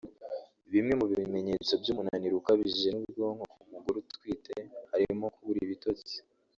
Bimwe mu bimenyetso by’umunaniro ukabije w’ubwonko ku mugore utwite harimo kubura ibitosti